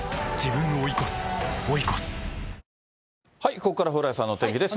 ここから蓬莱さんのお天気です。